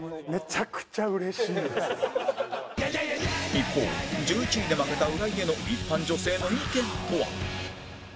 一方１１位で負けた浦井への一般女性の意見とは？